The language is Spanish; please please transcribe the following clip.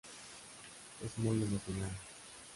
Es muy emocional.